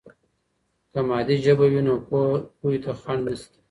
که مادي ژبه وي، نو پوهې ته خنډ نشته.